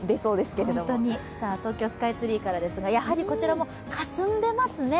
東京スカイツリーからですが、こちらも霞んでいますね。